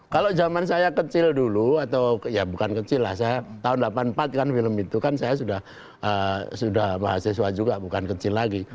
kalau zaman saya kecil dulu atau ya bukan kecil lah saya tahun seribu sembilan ratus delapan puluh empat kan film itu kan saya sudah mahasiswa juga bukan kecil lagi